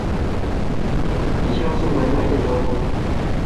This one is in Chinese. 以下是文莱的交通